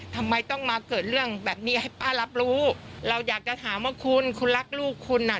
ทำไมต้องมาเกิดเรื่องแบบนี้ให้ป้ารับรู้เราอยากจะถามว่าคุณคุณรักลูกคุณอ่ะ